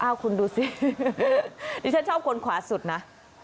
อ้าวคุณดูสินี่ฉันชอบคนขวาสุดนะ